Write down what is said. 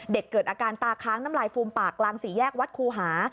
เกิดอาการตาค้างน้ำลายฟูมปากกลางสี่แยกวัดคูหา